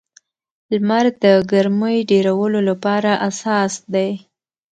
لمر د ګرمۍ ډېرولو لپاره اساس دی.